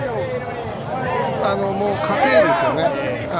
もう過程ですよね。